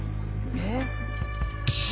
えっ⁉